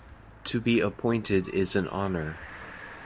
To be appointed is an honor.